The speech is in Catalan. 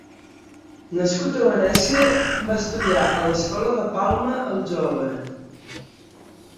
Nascut a Venècia, va estudiar a l'escola de Palma el Jove.